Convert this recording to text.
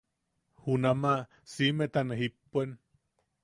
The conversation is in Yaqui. Junnama siʼimeta ne jippuen.